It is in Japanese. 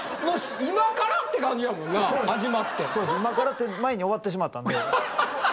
今からって前に終わってしまったんで。